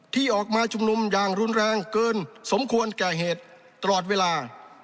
ที่ออกมาชุมนุมอย่างรุนแรงเกินสมควรแก่เหตุตลอดเวลา